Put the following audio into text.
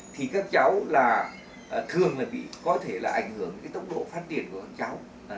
thì các cháu thường có thể bị ảnh hưởng đến tốc độ phát triển của các cháu